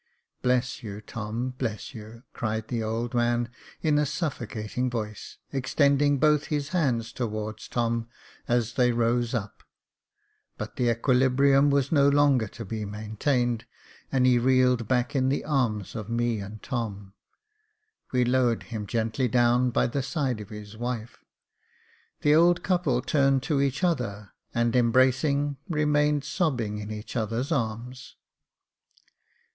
Bless you, Tom, bless you !" cried the old man, in a suffocating voice, extending both his hands towards Tom, as they rose up ; but the equilibrium was no longer to be maintained, and he reeled back in the arms of me and Tom. We lowered him gently down by the side of his wife ; the old couple turned to each other, and embracing, remained sobbing in each other's arms.